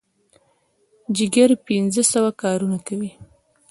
جګر پنځه سوه کارونه کوي.